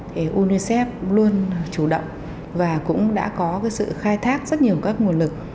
thì unicef luôn chủ động và cũng đã có cái sự khai thác rất nhiều các nguồn lực